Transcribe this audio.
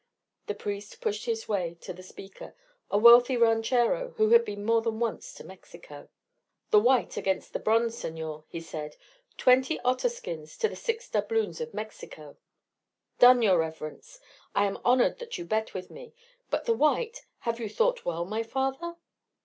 The priest pushed his way to the speaker, a wealthy ranchero who had been more than once to Mexico. "The white against the bronze, senor," he said. "Twenty otter skins to the six doubloons of Mexico." "Done, your reverence. I am honoured that you bet with me. But the white have you thought well, my father?"